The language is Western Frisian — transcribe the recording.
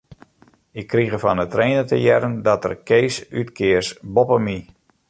Ik krige fan 'e trainer te hearren dat er Kees útkeas boppe my.